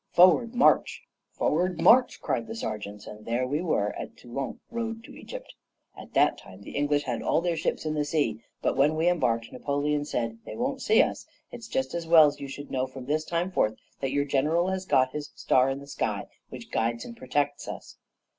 Forward, march!' 'Forward, march!' cried the sergeants, and there we were at Toulon, road to Egypt. At that time the English had all their ships in the sea; but when we embarked, Napoleon said: 'They won't see us. It is just as well that you should know from this time forth that your general has got his star in the sky, which guides and protects us.'